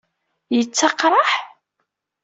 Yettaqraḥ?